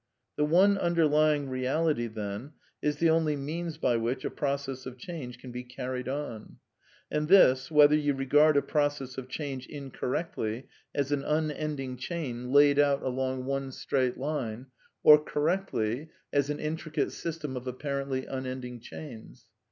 The one underlying reality, then, is the only means by which a process of change can be carried on; and this, whether you regard a process of change, incorrectly, as an unending chain laid out along CONCLUSIONS 807 one straight line, or, correctly, as an intricate system of apparently unending chains.